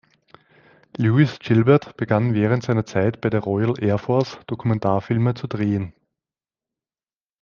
Lewis Gilbert begann während seiner Zeit bei der Royal Air Force Dokumentarfilme zu drehen.